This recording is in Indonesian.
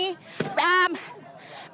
masyarakat juga mencoba untuk melindungi